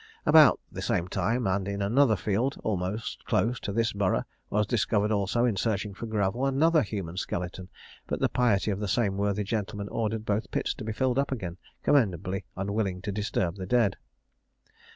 "About the same time, and in another field, almost close to this borough, was discovered also, in searching for gravel, another human skeleton; but the piety of the same worthy gentleman ordered both pits to be filled up again, commendably unwilling to disturb the dead.